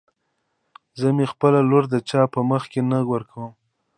زه مې خپله لور د چا په مخکې نه ورکم.